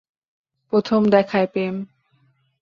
প্রথম দেখায় প্রেম।